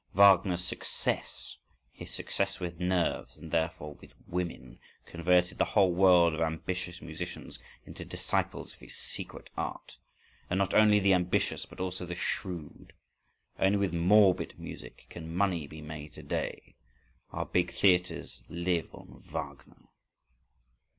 Wagner's success—his success with nerves, and therefore with women—converted the whole world of ambitious musicians into disciples of his secret art. And not only the ambitious, but also the shrewd.… Only with morbid music can money be made to day; our big theatres live on Wagner.